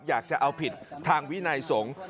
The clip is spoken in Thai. อยากจะเอาผิดทางวินัยสงฆ์